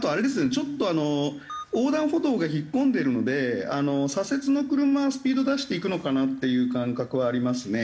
ちょっとあの横断歩道が引っ込んでるので左折の車はスピード出して行くのかなっていう感覚はありますね。